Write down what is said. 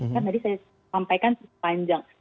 kan tadi saya sampaikan panjang